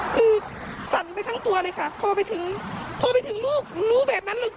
คือสั่นไปทั้งตัวเลยค่ะพอไปถึงพอไปถึงลูกรู้แบบนั้นเลย